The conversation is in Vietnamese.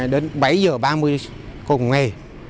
đến bảy h ba mươi cùng ngày